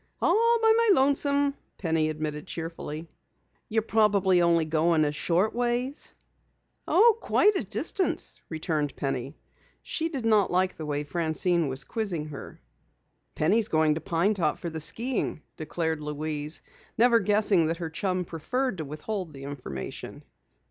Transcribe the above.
"All by my lonesome," Penny admitted cheerfully. "You're probably only going a short ways?" "Oh, quite a distance," returned Penny. She did not like the way Francine was quizzing her. "Penny is going to Pine Top for the skiing," declared Louise, never guessing that her chum preferred to withhold the information.